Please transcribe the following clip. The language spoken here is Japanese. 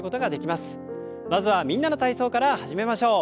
まずは「みんなの体操」から始めましょう。